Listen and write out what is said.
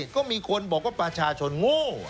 ก็มีคนบอกว่าประชาชนโง่